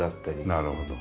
なるほど。